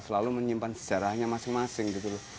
selalu menyimpan sejarahnya masing masing gitu loh